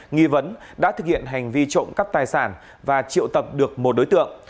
nghi vấn đã thực hiện hành vi trộm cắp tài sản và triệu tập được một đối tượng